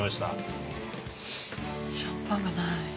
シャンパンがない。